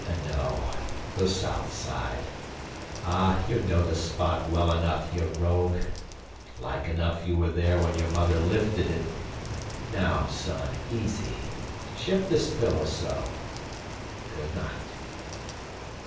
"No, the south side. Ah, you know the spot well enough, you rogue. Like enough you were there when your mother lifted it. Now, son, easy. Shift this pillow so. Good night."